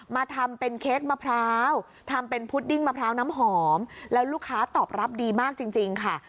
มาทำเป็นเค้กมะพร้าวทำเป็นพุดดิ้งมะพร้าวน้ำหอมแล้วลูกค้าตอบรับดีมากจริงค่ะ